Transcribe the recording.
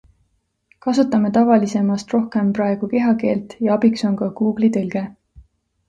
Kasutame tavalisemast rohkem praegu kehakeelt ja abiks on ka Google'i tõlge.